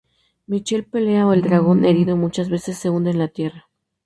Michael pelea y el dragón, herido muchas veces, se hunde en la tierra.